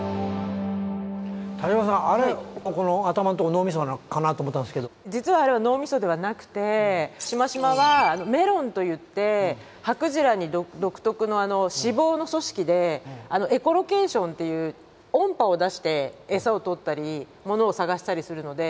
田島さんあれそこの実はあれは脳みそではなくてしましまはメロンといってハクジラに独特の脂肪の組織でエコロケーションっていう音波を出して餌を捕ったりものを探したりするので。